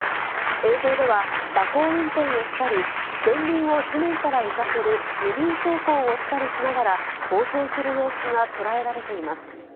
映像では蛇行運転をしたり、前輪を地面から浮かせるウィリー走行をしたりしながら、暴走する様子が捉えられています。